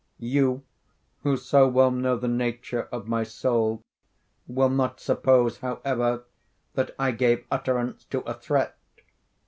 You, who so well know the nature of my soul, will not suppose, however, that I gave utterance to a threat.